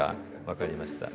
分かりました。